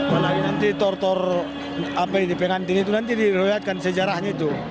malah nanti tor tor apa yang dipengantin itu nanti direlihatkan sejarahnya itu